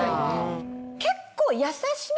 結構。